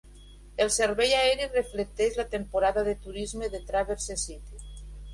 El servei aeri reflecteix la temporada de turisme de Traverse City.